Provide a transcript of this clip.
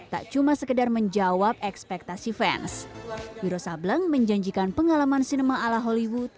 tak cuma sekedar menjawab ekspektasi fans wiro sableng menjanjikan pengalaman sinema ala hollywood